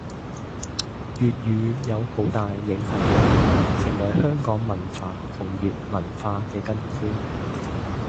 粵語有好大影響力，成為香港文化同粵文化嘅根基